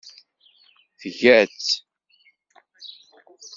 Tga-tt.